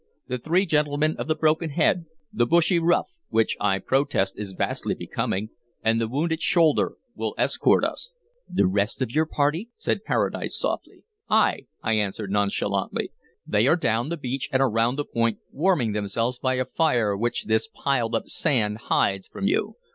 The three gentlemen of the broken head, the bushy ruff, which I protest is vastly becoming, and the wounded shoulder will escort us." "The rest of your party?" said Paradise softly. "Ay," I answered nonchalantly. "They are down the beach and around the point warming themselves by a fire which this piled up sand hides from you.